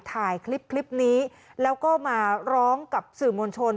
ถ่ายคลิปคลิปนี้แล้วก็มาร้องกับสื่อมวลชน